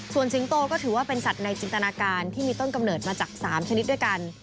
ส่วนสิงโตก็ถือว่าเป็นสัตว์ในจินตนาการที่มีต้นกำเนิดมาจาก๓ชนิดด้วยกัน